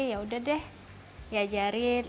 yaudah deh diajarin